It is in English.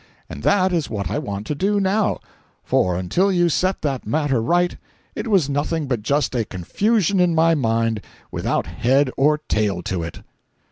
And that is what I want to do now—for until you set that matter right it was nothing but just a confusion in my mind, without head or tail to it."